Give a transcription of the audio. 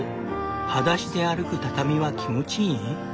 はだしで歩く畳は気持ちいい？